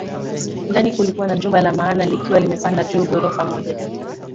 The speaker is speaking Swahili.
Ndani kulikuwa na jumba la maana likiwa limepanda juu ghorofa moja